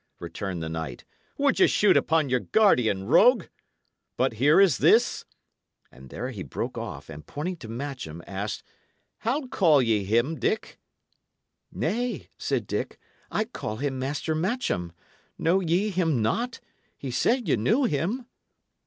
returned the knight. "Would ye shoot upon your guardian, rogue? But here is this" And there he broke off, and pointing to Matcham, asked: "How call ye him, Dick?" "Nay," said Dick, "I call him Master Matcham. Know ye him not? He said ye knew him!"